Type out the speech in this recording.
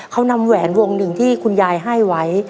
เขานำแหวนวงหนึ่งที่คุณยายให้ไว้